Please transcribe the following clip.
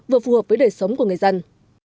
vừa phù hợp với đề sống của người dân